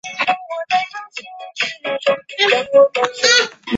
野莴苣为菊科莴苣属的植物。